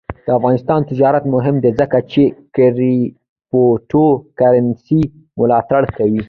آزاد تجارت مهم دی ځکه چې کریپټو کرنسي ملاتړ کوي.